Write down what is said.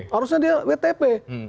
harusnya dia wtp